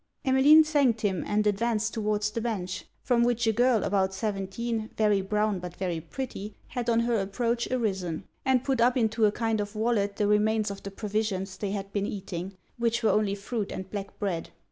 _' Emmeline thanked him, and advanced towards the bench; from which a girl about seventeen, very brown but very pretty, had on her approach arisen, and put up into a kind of wallet the remains of the provisions they had been eating, which were only fruit and black bread.